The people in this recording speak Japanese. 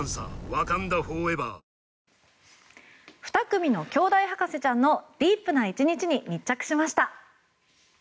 ２組のきょうだい博士ちゃんのディープな１日に密着しました。